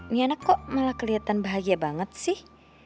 niana kok malah kelihatan bahagia banget sih